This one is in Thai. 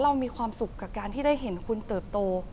เรามีความสุขกับการที่ได้เห็นคุณเติบโต